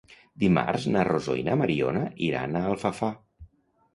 Dimarts na Rosó i na Mariona iran a Alfafar.